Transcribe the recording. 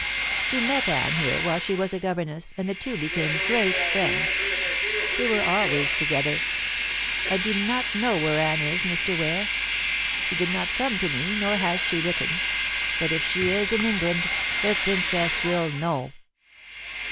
She met Anne here while she was a governess, and the two became great friends. They were always together. I do not know where Anne is, Mr. Ware. She did not come to me, nor has she written; but if she is in England the Princess will know."